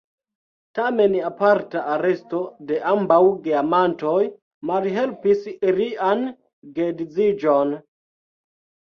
Tamen aparta aresto de ambaŭ geamantoj malhelpis ilian geedziĝon.